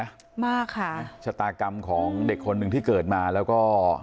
น่าสงสารเด็กนะชะตากรรมของเด็กคนนึงที่เกิดมาแล้วก็